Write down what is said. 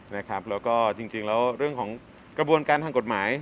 แล้วก็จริงแล้วเรื่องของกระบวนการทางกฎหมาย